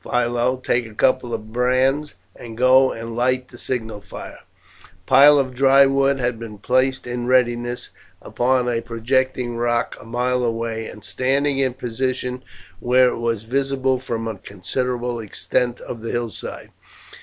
Philo, take a couple of brands and go and light the signal fire." A pile of dry wood had been placed in readiness upon a projecting rock a mile away and standing in position where it was visible from a considerable extent of the hillside.